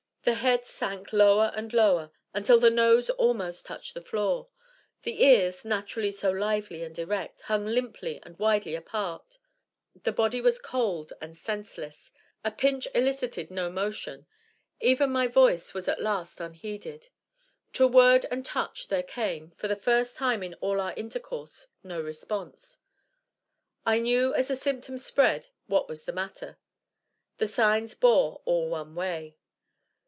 The head sank lower and lower, until the nose almost touched the floor. The ears, naturally so lively and erect, hung limp and widely apart. The body was cold and senseless. A pinch elicited no motion. Even my voice was at last unheeded. To word and touch there came, for the first time in all our intercourse, no response. I knew as the symptoms spread what was the matter. The signs bore all one way.